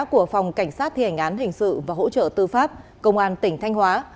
của phòng cảnh sát thi hành án hình sự và hỗ trợ tư pháp công an tỉnh thanh hóa